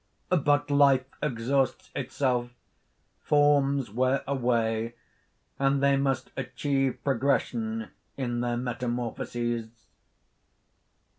But life exhausts itself; forms wear away; and they must achieve progression in their metamorphoses."